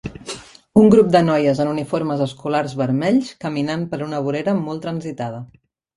Un grup de noies en uniformes escolars vermells caminant per una vorera molt transitada.